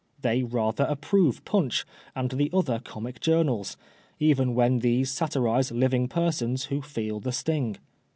They rather approve Punch and the other comic journals, even when these satirise living persons who feel the sting.